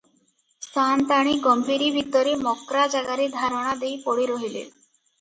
ସାଅନ୍ତାଣୀ ଗମ୍ଭୀରି ଭିତରେ ମକ୍ରା ଜାଗାରେ ଧାରଣା ଦେଇ ପଡ଼ି ରହିଲେ ।